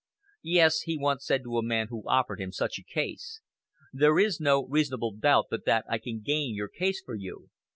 "Yes," he once said to a man who offered him such a case; "there is no reasonable doubt but that I can gain your case for you.